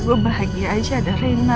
gue bahagia aja ada rena